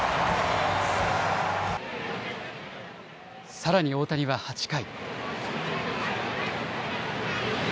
さらに大谷は８回。